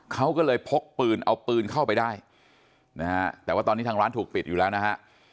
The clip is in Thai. เขาก็เลยพกปืนเอาปืนเข้าไปได้นะฮะแต่ว่าตอนนี้ทางร้านถูกปิดอยู่แล้วนะฮะ